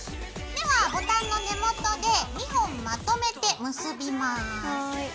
ではボタンの根元で２本まとめて結びます。